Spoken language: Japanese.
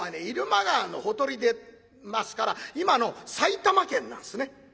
入間川のほとりでますから今の埼玉県なんですね。